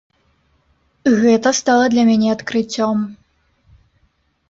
Гэта стала для мяне адкрыццём.